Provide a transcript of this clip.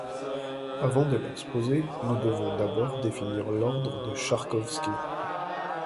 Avant de l'exposer, nous devons d'abord définir l'ordre de Charkovski.